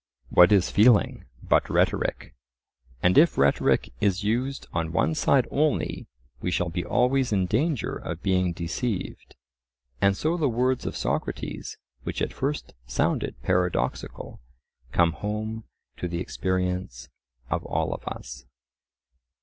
What is feeling but rhetoric? And if rhetoric is used on one side only we shall be always in danger of being deceived. And so the words of Socrates, which at first sounded paradoxical, come home to the experience of all of us.